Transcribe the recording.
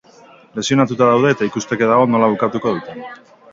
Lesionatuta daude eta ikusteke dago nola bukatuko duten.